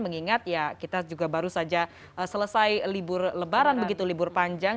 mengingat ya kita juga baru saja selesai libur lebaran begitu libur panjang